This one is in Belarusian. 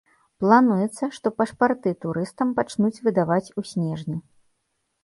Плануецца, што пашпарты турыстам пачнуць выдаваць у снежні.